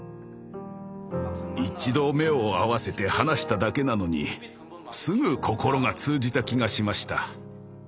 一度目を合わせて話しただけなのにすぐ心が通じた気がしました。